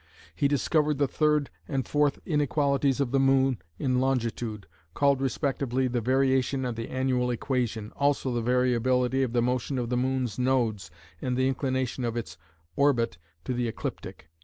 He discovered the third and fourth inequalities of the moon in longitude, called respectively the variation and the annual equation, also the variability of the motion of the moon's nodes and the inclination of its orbit to the ecliptic.